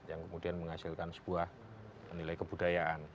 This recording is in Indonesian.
yang kemudian menghasilkan sebuah nilai kebudayaan